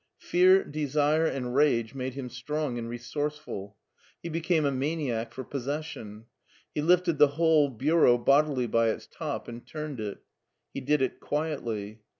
Fear, desire, and rage made him strong and resourceful. He became a maniac for possession. He lifted the whole bureau bodily by its top and turned it. He did it quietly.